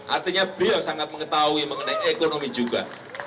artinya beliau sangat mengetahui mengenai ekonomi juga